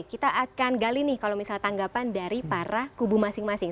kita akan gali nih kalau misalnya tanggapan dari para kubu masing masing